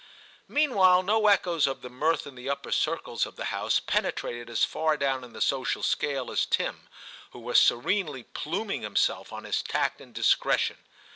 Meanwhile no echoes of the mirth in the upper circles of the house penetrated as far down in the social scale as Tim, who was serenely pluming himself on his tact and dis cretion.